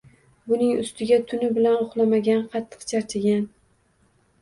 Buning ustiga tuni bilan uxlamagan, qattiq charchagan